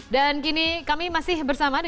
harapan anda menentukan